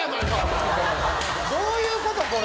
どういうことこれ？